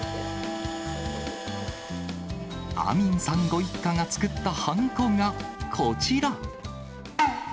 アミンさんご一家が作ったはんこが、こちら。